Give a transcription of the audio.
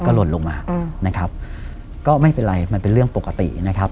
ก็ไม่เป็นไรมันเป็นเรื่องปกตินะครับ